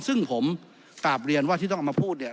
ซึ่งผมกลับเรียนว่าที่ต้องเอามาพูดเนี่ย